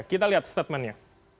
kita lihat statementnya